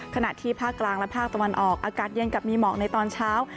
ขณะที่ภาคกลางและภาคตะวันออกอากาศเย็นกับมีหมอกในตอนเช้า